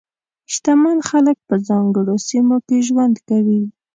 شتمن خلک په ځانګړو سیمو کې ژوند کوي.